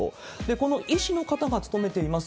この医師の方が勤めています